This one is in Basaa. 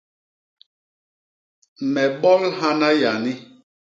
Me bol hana yani.